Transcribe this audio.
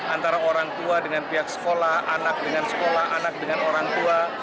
antara orang tua dengan pihak sekolah anak dengan sekolah anak dengan orang tua